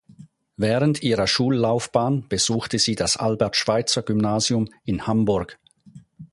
Während ihrer Schullaufbahn besuchte sie das Albert-Schweitzer-Gymnasium in Hamburg.